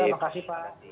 ya terima kasih pak